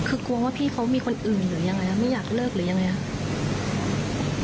คือกลัวว่าพี่เขามีคนอื่นหรือยังไงไม่อยากเลิกหรือยังไงครับ